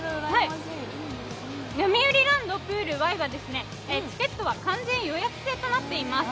よみうりランドプールＷＡＩは、チケットは完全予約制となっています。